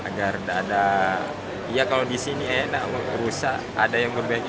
agar ada ya kalau disini enak rusak ada yang berbagi